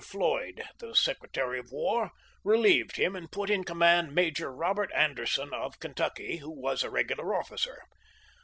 Floyd, the Secretary of War, relieved him and put in command Major Robert Anderson of Kentucky, who was a regular officer.